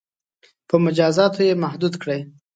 • په مجازاتو یې محدود کړئ.